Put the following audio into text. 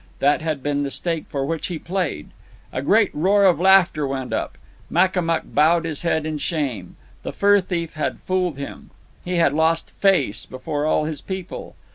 That had been the stake for which he played. A great roar of laughter went up. Makamuk bowed his head in shame. The fur thief had fooled him. He had lost face before all his people.